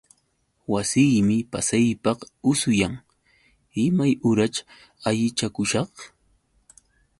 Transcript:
Wasiymi pasaypaq usuyan. Imay uraćh allichakushaq?